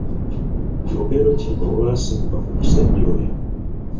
Lugero ki olwasibuka ku musajja oyo?